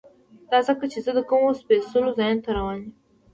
دا ځکه چې زه د کومو سپېڅلو ځایونو ته روان یم.